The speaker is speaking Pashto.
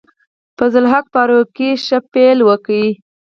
فضل الحق فاروقي ښه پیل کوي.